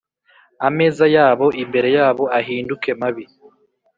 Ameza yabo imbere yabo ahinduke mabi